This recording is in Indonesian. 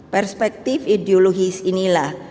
perspektif ideologis inilah